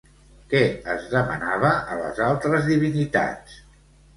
Què es demanava a les altres divinitats?